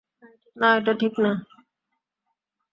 না, এটা ঠিক না।